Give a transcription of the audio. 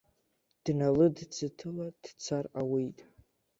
Дналыдӡыҭыла дцар ауеит.